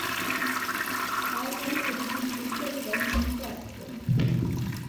তার বাড়িতে বিভিন্ন বিপ্লবীরা নিয়মিত আসতেন।